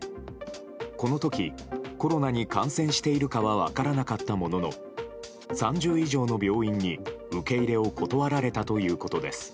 この時コロナに感染しているかは分からなかったものの３０以上の病院に受け入れを断られたということです。